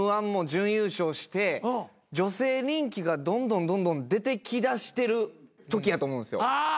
Ｍ−１も準優勝して女性人気がどんどんどんどん出てきだしてるときやと思うんですよ。